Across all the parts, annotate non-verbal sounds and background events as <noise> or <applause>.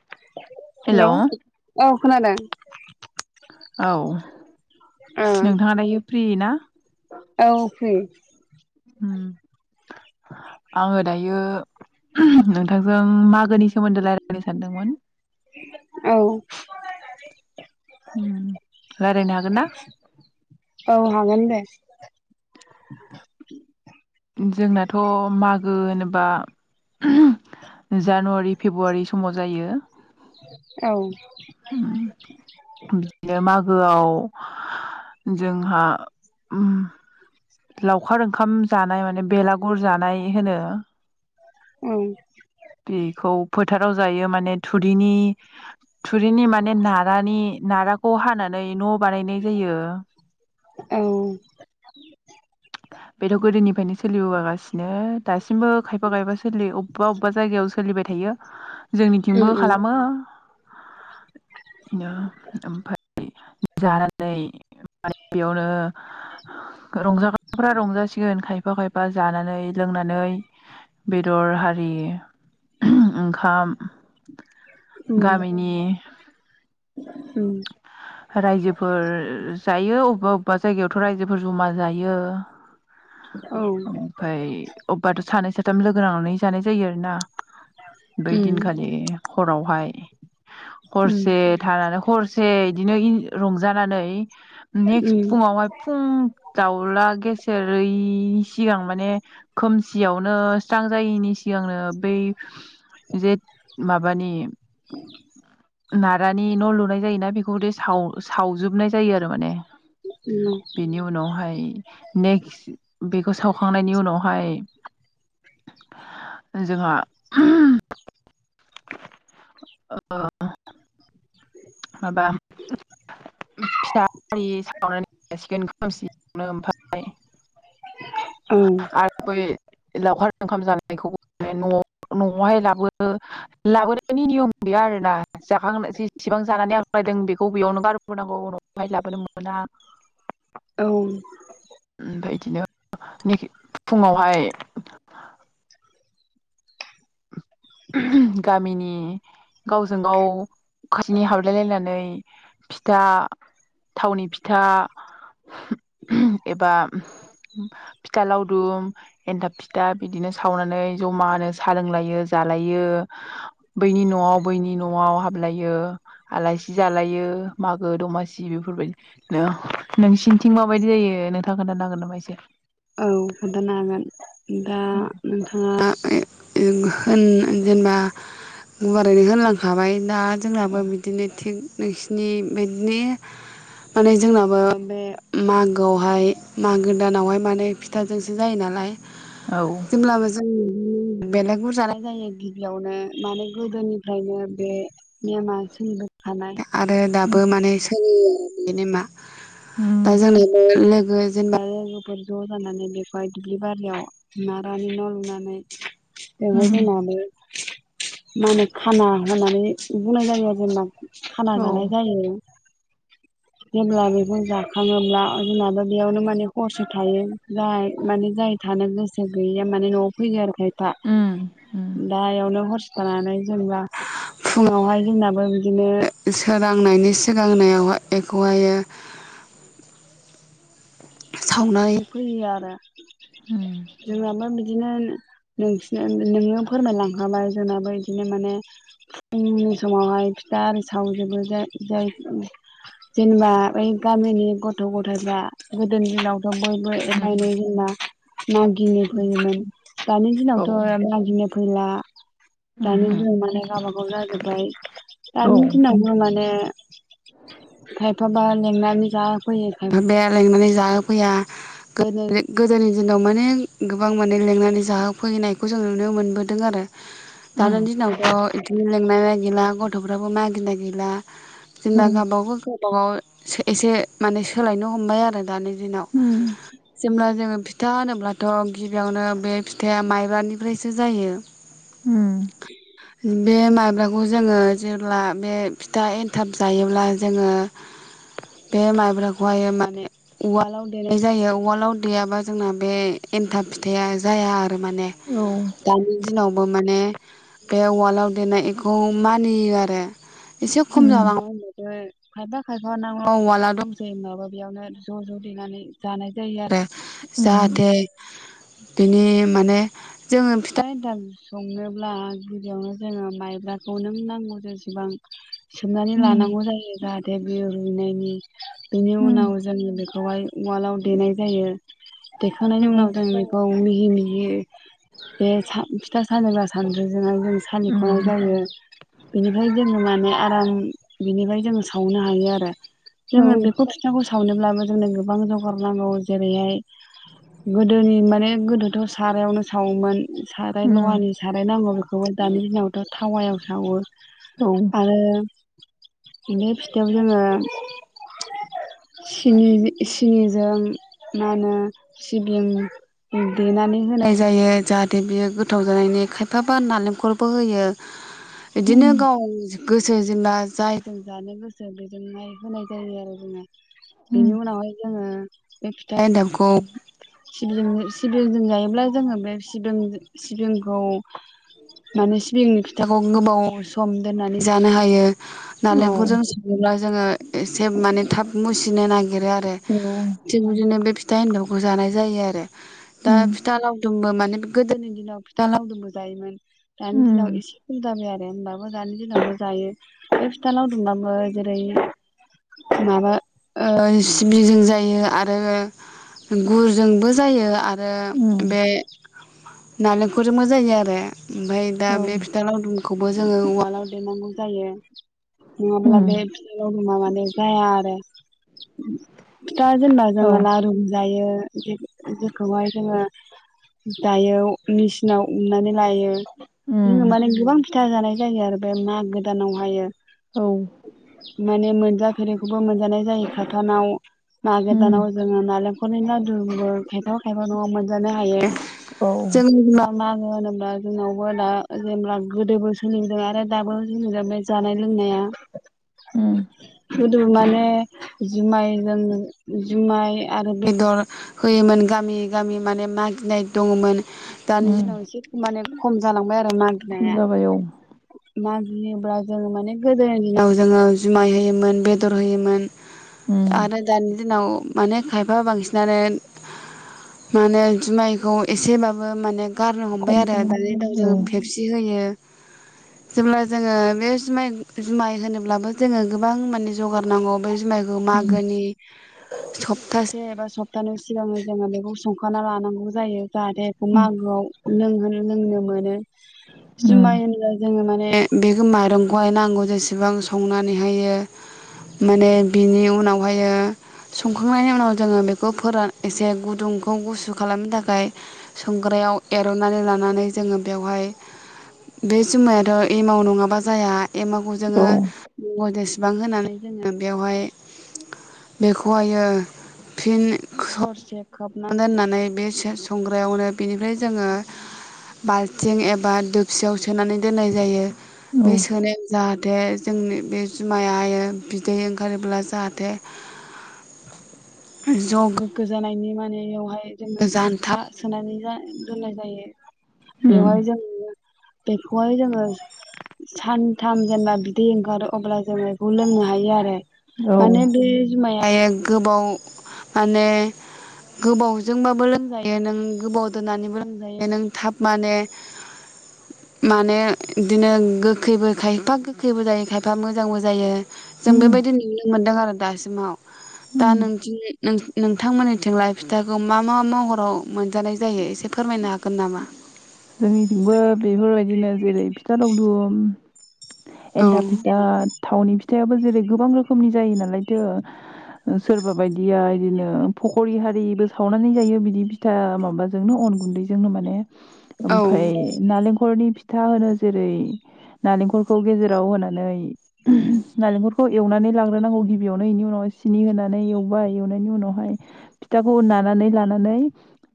<inaudible> Hello औ hello औ खोनादों औ ओ नोंथाङा दायो फ्रि ना? औ <inaudible> उम आङो दायो नोंथांजों मागोनि सोमोन्दै रायज्लायनो सानदोंमोन। औ उम रायलायनो हागोन ना? औ हागोन दे। जोंनाथ' मागो बा जानुवारि फेब्रुवारि समाव जायो। औ। बिदिनो मागोआव जोंहा उम लावखार ओंखाम जानाय माने बेला गुरजानाय होनो। औ बेखौ फोथाराव जायो माने थुरिनि थुरिनि माने नारानि नाराखौ हानानै न' बानायनाय जायो। औ। बेथ' गोदोनिफ्रायनो सोलिबोागासिनो दासिमबो खायफा खायफा सोलियो अबेबा अबेबा जायगायाव सोलिबाय थायो जोंनिथिंबो उम खालामो। नो ओफाय जा जानानै बेयावनो रंजाग्राफ्रा रंजासिगोन खायफा खायफा बा जानानै लोंनानै बेदर आरि ओंखाम उम उम गामिनि उम रायजोफोर जायो अबेबा अबेबा जायगायाव रायजोफोर जमा जायो। औ ओमफफ्राय अबबाथ' सानै साथाम लोगो नांनानै जानाय जायो आरोना बै उम दिनखालि। हरावहाय। उम हरसे थानानो हरसे। ए बिदिनो रंजानानै। नेक्स्ट उम फुङावहाय फुं दाउला गेसेेर इनि सिगां माने खोमसियावनो स्रां जायैनि सिगांनो बै जे माबानि नारानि न' लुनाय जायोना। बेखौदिे साव सावजोबनाय जायो आरो माने बेनि उनावहाय नेक्स्ट बेखौ सावखांनायनि उनावहाय जोंहा ओ माबा फिथि सावनानै जासिगोन खोमसिनो ओमाय उम आरो बै लावखार ओंखाम जानायखौ न न'आवहाय लाबो लाबोनायनि नियम गैया आरोना जाखांनोसि जानानै आंलायदों बेखौ बेयावनो गारोनांगौ उनावाय लाबोनो मोना औ ओमफ्राय बिदिनो फुङावहाय गामिनि गावजों गाव खाथिनि हाबलायलायनानै फिथा थावनि फिथा एबा फिथा लावदुम एन्थाब फिथा बिदिनो सावनानै जमा होनोसै सा लोंलायो जालायो बैनि न'आव बैनि न'आव हाबलायो आलासि जालायो मागो दमासि बेफोरबायदि नोंसिनिथिं माबायदि जायो नोंथाङा खोन्थानो हांगोन नामा इसे औ खोन्थानो हागोन दा नोंथाङा जेनेबा गुवारैनो होनलांखाबाय दा जोंनाबो बिदिनो थिग नोंसिनि बिदिनो माने जोंनाबो बे मागोआवहाय मागो दानावहाय माने फिथाजोंसो जायो नालाय औ जेब्लाबो जों बेलागुरजानाय जायो गिबियावनो माने गोदोनिफ्रायनो बे नेमा सोमलिबोखानाय आदा दाबो उम माने सोलियो बिनेमा दा जों बिदिनो <inaudible> ज' जानानै बेवहाय दुब्लि बारियाव नारानि न' लुनानै <inaudible> उम बिमाबो मा होनो खाना होननानै बुंनाय जायो आरो जेंना खाना औ जानाय जायो जेब्ला बेखौ जाखाङोब्ला जोंनाब' बेयावनो माने खहसै थायो जाय माने जाय थानो गोसो गैयैया माने नवाव फैयो आरो खायफा उम उम दायावनो हरसे जानानै जेनेबा फुङावहाय जोंनाबो बिदिनो सोरांनायनि सिगांनायावाय बेखौहायो सावनाय फ्रि <unintelligible> आरो उम <inaudible> बिदिनो नोंसिना नोङो फोरमायलांखाबाय जोंनाबो बिदिनो माने फुंनि समावहाय फिथा आरि सावजोबो ज ज जेनेबा बै गामिनि गथ' गथायाइफ्रा <inaudible> गोदोनि दिनाव बयबो अननाय गामि उम जानायनि होनना <inaudible> मागिनो फैयोमोन दानि औ दिनावथ' मागिनो फैला <inaudible> दानि उमहो दिनाव माने गावबागाव जाजोबबाय औ दानि दिनावनो माने खायफाबा <inaudible> जेंनानि जा फैयोब <inaudible> लेंनानै जाहोफैया गोदो गोदोनि दिनाव माने गोबां माने लिेंनानै जाहोफैनायखौ जों नुनो मोनबोदों आरो उम दानाय दिनावथ' इदि लेंना गैला गथ'फ्राबो मागिना गैला औ जेनबा गावबा गाव गोबाव एसे माने सोलायनो ह हमबाय आरो दानि दिनाव उम जेब्ला जोङो फिथा होनोब्लाथ' गिबियावनो बे फिथाइा माइब्रानिफ्रायसो जायो उम बे माइब्राखौ जोङो जेब्ला बे फिथा‌ एनथाब जायोब्ला जोङो बे माइब्राखौहाय माने उवालाव देनाय जायो उवालाव देयाबा जोंना बे एन्थाब फिथाइया जाया आरो माने औ दानि दिनावबो बे उवालवाव देनाय खौ मानियो आरो एसे खम उम जालाङो होनबाबो खाइफा खायफा नांगौ उवाला दं माबा बेयावनो ज' ज' देनानै जानाय जायो आरो उम जाहाथे बिनि माने जोङो फिथा एन्थाल संनोब्ला गिबियावनो जोङो माइब्राखौ नों नांगौ जेसेबां <inaudible> सोमनानै उम लानांगौ देबिनायनि बिनि उम उनाव जोङो बेखौहाय उवालाव देनाय जायो औ देखानायनायनि उनाव जों बेैखौ मिहि मिहि बे सान फिथा सालिग्रा सानद्रिजों जाइजों जों सालिख'नाय उम जायो आराम बिनिफ्राय जोङो सावनो हायो आरो औ जोङो बेखौ फिथाखौ मोनोबलाबो गोबां जगार उम नांगौ आरो औ बे फिथाइयाव जोङो सिनि सिनिजों मा होनो <unintelligible> देनानै होनाय जायो जाहाथे बेयो गोथाव <unintelligible> खायफाबा नालेंखरबो होयो बिदिनो उम गाव गोसो <unintelligible> उम बिनि उनाव जोङो <unintelligible> था एन्दाबखौ सिबिं सिबिंजों जायोब्ला जोङो बे सिबिं सिबिंखौ माने सिबिंनि खिथाखौ गोबाव सम दोननानै जानो हायो। औ नालेंखरजों सङोब्ला जोङो एसे माने थाब मुसिनो ना गिरो आरो औ थिग बिदिनो बे फिथा एनथावखौ जानाय जायो आरो। दा उम फिथा लावदुमबो माने गोदोनि दिनाव फिथा लावदुमबो जायोमोन। दानि दिनाव उम एसे खदाबाय आरो होमबाबो दानि दिनावबो जायो। बे फिथा लावदुमबाबो जेरै माबा ओ सिबिजों जायो आरो गुरजोंबो जायो आ आरो उम बे नालेंखरजोंबो जायो आरो। ओमफ्राय दा औ बे फिथा लावदुम खौबो जोङो उवालाव देरेनांगौ जायो। माब्लाबा उम फिथा लावदु मा माने जाया आरो फिथा जेनोबा औ जोङो लारुबो जायो। जेखौ जेखौहाय जोङो दायो मेचिनाव उमनानै लायो। रोङो उम माने गोबां फिथा जानाय जायो आरो बे मागो दानावहायो। औ माने मोन फेरैखौबो मोनजानाय जायो खाथानाव। मागो उम दानाव जों <unintelligible> <unintelligible> लादुबो <unintelligible> हायबा न'आव मोनजानो हायो। औ जों <unintelligible> बा जोंनावबो दा जेनोबा गोदोबो सोलिबोदों आरो दाबो जों बे जानाय लोंनाया उम। खिन्दु माने जुमायजों जुमाय आरो बेदर होयोमोन गामि गामि माने मागिनाय दङमोन। दानि उम दिनाव एसे माने खम जालांबाय आरो खम मागिनाया। जाबाय औ मागि गियोब्ला जों माने गोदोनि दिनाव जोङो जुमाय होयोमोन बेदर होयोमोन उम आरो दानि दिनाव माने खायफा बांसिन नानो माने जुमाइखौ एसेबाबो माने गारनो हमबाय खम आरो दानि दाउ खालामबाय जों औ फेपसि होयो। जेब्ला जोङो बे जुमाइ जुमाइ होनोब्लाबो जोङो गोबां मा जगारनांगौ बे जुमायखौ उम मागोनि सप्तासे एबा सप्तानि सिगांनो जोङो बेखौ संखाना लानांगौ जायो। जाहाथे बेखौ उम मागोआव लोंहो लोंनो मोनो। जुमाय उम होनोबा जोङो माने बे बेखौ माइरंखौहाय नांगौ जेसेबां संनानैहायो माने बिनि उनावहायो संखांनायनि उनाव जोङो बेखौ फोरान एसे गुदुंखौ गुसु खालामनो थाखाय संग्रायाव एर'नानै लानानै जोङो बेवहाय बे जुमायाथ' एमाव नङाबा जाया। एमावखौ जोङो औ औ <unintelligible> बिबां होनानै जोङो बेवहाय बेखौहाय ओ- फिन हरसे खोबना दोननानै बे संग्रायावनो बेनिफ्राय जोङो बाल्थिं एबा दोपसियाव सोनानै दोननाय जायो। उम बे सोनायाव जाहाथे जोंनि बे जुमाया हायो बिदै ओंखारोब्ला जाहाथे ज' गोग्गो जानायनि मानियावहाय जोङो जान्था सोनानै दोननाय जायो। बेवहाय जोङो बेखौहाय जोङो। सानथाम दोनबा बिदै ओंखारो। अब्ला जोङो बेखौ लोंनो हायो आरो। औ माने बे जुमाया। फायो गोबाव माने गोबावजोंबाबो लोंजायो नों गोबाव दोननानैबो लोंजायो नों थाब माने माने इदिनो गोखैबो खायफा गोखैबो जायो खा फा मोजांबो जायो जों उम बेबायदि नुनो मोनदों आरो दासिमाव दा उम नोंथिं नों नोंथांमोननि थिंलाय फिथाखौ मा मा महराव मोनजानाय जायो एसे फोरमायनो हागोन नामा? जोंनिथिंबो बेफोरबायदिनो जेरै फिथा लावदुम। औ एन्थाब फिथा थावनि फिथायाबो जेरै गोबां रोखोमनि जायो नालाय। थोओ सोरबा बायदिया इदिनो फखरि हारिबो सावनानै जायो बिदि फिथा मा बाजोंनो अन गुन्दैजोंनो माने। औ ओमफाय नालें खलनि फिथा होनो जेरै नालेंखलखौ गेजेराव होनानै। उम नालेंखरखौ एवनानै लाग्रोनांगौ गिबियावनो इनि उनाव सिनि होनानै एवबाय एवनायनि उनावहाय फिथाखौ नानानै लानानै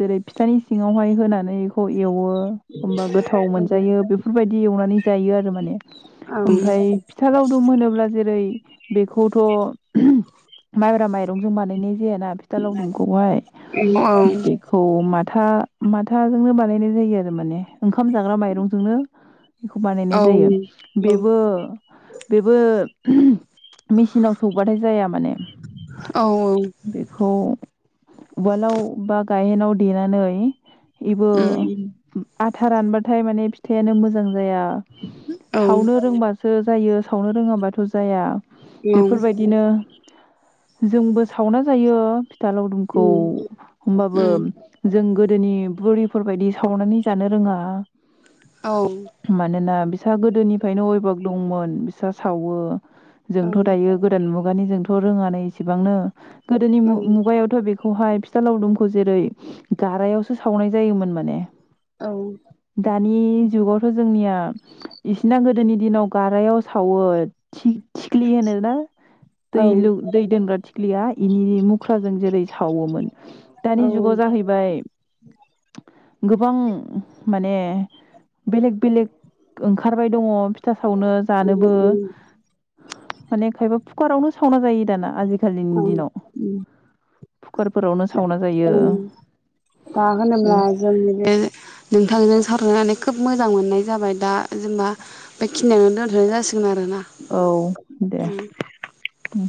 जेरै फिथानि सिङावहाय होनानै बेखौ। एवो होमबा गोथाव मोनजायो बेफोरबायदि एवनानै। जायो आरो माने। ओमफाय फिथा लावदुम होनोब्ला जेरै - बेखौथ' माइब्रा माइरंजों बानायनाय। जाया ना फिथा लावदुमखौहाय औ बेखौ मा था माथाजोंनो बानायनाय। जायो आरो माने ओंखाम जाग्रा माइरंजोंनो। बेखौ औ बानायनाय जायो औ बेबो बेबो। ओमह मेचिनाव सौबाथाय जाया माने औ बेखौ। उवालाव बा गायहेनाव देनानै। इबो उम आथा रानबाथाय माने फिथायानो मोजां जाया। औ सो जायो सावनो रोङाबाथ' जाया। औ ओं बेफोरबायदिनो, जोंबो सावना जायो फिथा लावदुमखौ उम होमबाबो उम जों गोदो दोनि बुरिफोरबायदि सावनानै जानो रोङा औ मानोना बिसोर बिसा गोदोनिफायनो अयभाक दंमोन बिसा सावो जोंथ दायो गोदान मुगायाव खुगानि जोंथ रोङानै इसेबांनो गोदोनि मुग मुगायावथ बे खौहाय फिथा लावदुमखौ जेरै गारायावसो सावनाय जायोमोन माने औ दानि जुगावथ जोंनिया इसिना गोदोनि दिनाव गारायाव सावो थिग थिख्लि होनो ना औ दै लु दै दोनग्रा थ ख्लिया इनि मुख्राजों जेरै सावोमोन दानि जुगाव जाहैबाय गोबां माने बेलेग बेलेक ओंखारबाय दङ फिथा सावनो उम जानोबो उम माने खायबा फुकारावनो सावना जायो दाना आजिखालि खालिनि औ दिनाव कुकारफोरावनो सावना जायो उम दा होनोब्ला जोंनि बे नोंथांजों सावरायनानै खोब मोजां मोननाय जाबाय दा जेनबा बेखिनिययावनो दोनथनाय जासिगोन आरोना औ दे उम उम